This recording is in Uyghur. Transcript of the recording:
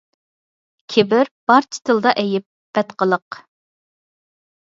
كىبىر – بارچە تىلدا ئەيب، بەتقىلىق.